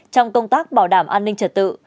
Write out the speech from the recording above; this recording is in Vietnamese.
trong công tác bảo đảm an ninh trật tự